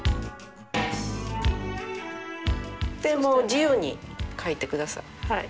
自由に書いてください。